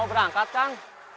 mau berangkat kan